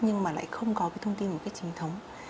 nhưng mà lại không có cái thông tin một cách chính thống